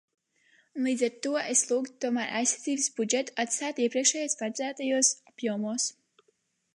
Un līdz ar to es lūgtu tomēr aizsardzības budžetu atstāt iepriekšējos paredzētajos apjomos.